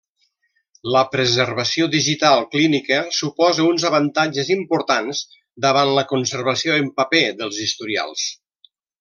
La preservació digital clínica suposa uns avantatges importants davant la conservació en paper dels historials.